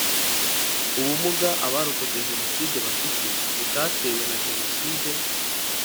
Ubumuga Abarokotse jenoside bafite butatewe na Jenoside